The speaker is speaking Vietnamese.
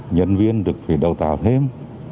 nhân viên được phải đầu tạo thêm